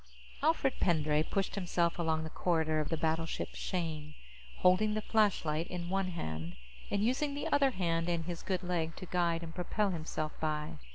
_ Alfred Pendray pushed himself along the corridor of the battleship Shane, holding the flashlight in one hand and using the other hand and his good leg to guide and propel himself by.